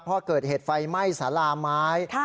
เพราะเกิดเหตุไฟไหม้สาราไม้